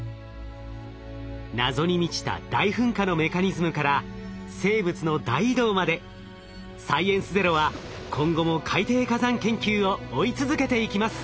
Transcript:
謎に満ちた大噴火のメカニズムから生物の大移動まで「サイエンスＺＥＲＯ」は今後も海底火山研究を追い続けていきます。